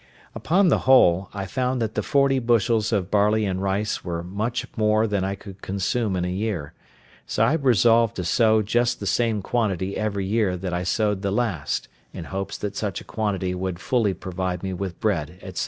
Upon the whole, I found that the forty bushels of barley and rice were much more than I could consume in a year; so I resolved to sow just the same quantity every year that I sowed the last, in hopes that such a quantity would fully provide me with bread, &c.